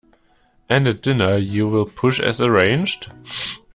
And at dinner you will push, as arranged?